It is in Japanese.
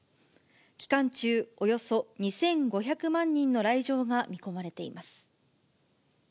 期間中およそ２５００万人の来場が見込まれています。